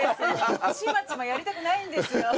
チマチマやりたくないんですよ。